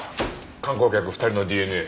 観光客２人のＤＮＡ。